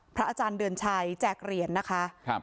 อาจารย์เดือนชัยแจกเหรียญนะคะ